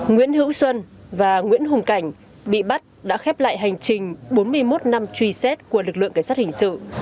nguyễn hữu xuân và nguyễn hùng cảnh bị bắt đã khép lại hành trình bốn mươi một năm truy xét của lực lượng cảnh sát hình sự